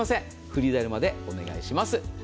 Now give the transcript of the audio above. フリーダイヤルまでお願いします。